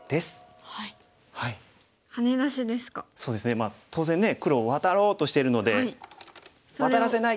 まあ当然ね黒ワタろうとしてるのでワタらせない。